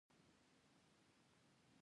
نو زیړو غواوو ته یې په ښکنځلو خوله پرانیستله.